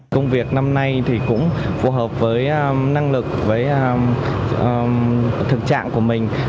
công việc năm nay thì cũng phù hợp với năng lực với thực trạng của mình